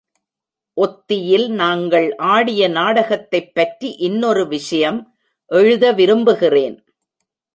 ஒத்தியில் நாங்கள் ஆடிய நாடகத்தைப்பற்றி இன்னொரு விஷயம் எழுத விரும்புகிறேன்.